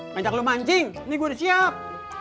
ngajak lo mancing ini gue udah siap